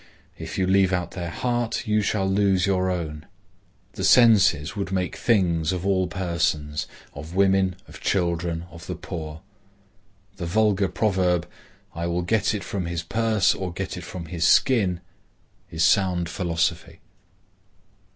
If you leave out their heart, you shall lose your own. The senses would make things of all persons; of women, of children, of the poor. The vulgar proverb, "I will get it from his purse or get it from his skin," is sound philosophy.